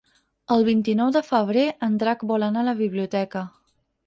El vint-i-nou de febrer en Drac vol anar a la biblioteca.